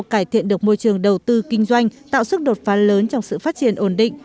cải thiện được môi trường đầu tư kinh doanh tạo sức đột phá lớn trong sự phát triển ổn định